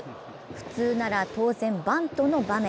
普通なら当然バントの場面。